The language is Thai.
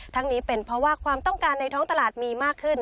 นี้เป็นเพราะว่าความต้องการในท้องตลาดมีมากขึ้น